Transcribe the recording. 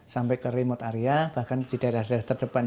sampai ke remote area bahkan di daerah daerah terdepan